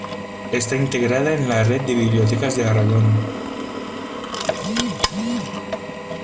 Está integrada en la Red de Bibliotecas de Aragón.